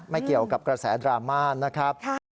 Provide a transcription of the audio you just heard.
เกี่ยวกับกระแสดราม่านะครับ